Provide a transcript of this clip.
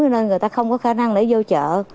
nên người ta không có khả năng để vô trợ